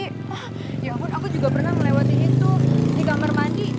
wah ya ampun aku juga pernah melewati itu di kamar mandi